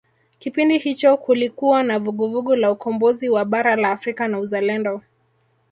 kipindi hicho kulikuwa na vuguvugu la ukombozi wa bara la afrika na uzalendo